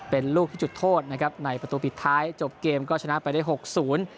เป็นลูกที่จุดโทษนะครับในประตูปิดท้ายจบเกมก็ชนะไปได้หกศูนย์